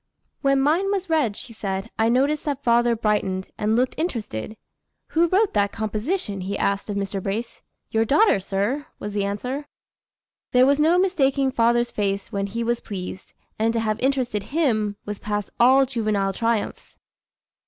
"When mine was read," she says, "I noticed that father brightened and looked interested. 'Who wrote that composition?' he asked of Mr. Brace. 'Your daughter, sir!' was the answer. There was no mistaking father's face when he was pleased, and to have interested him was past all juvenile triumphs."